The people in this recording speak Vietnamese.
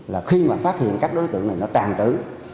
là khi mà phát hiện các đối tượng này nó tàn trữ